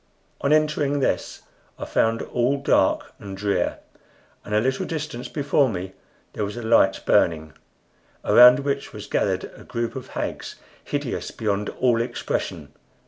On entering this I found all dark and drear; and a little distance before me there was a light burning, around which was gathered a group of hags hideous beyond all expression.